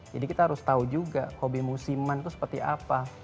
jadi kita harus tahu juga hobi musiman itu seperti apa